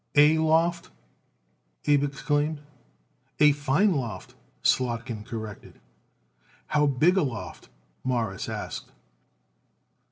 "A loft!" Abe exclaimed. "A fine loft," Slotkin corrected. "How big a loft?" Morris asked.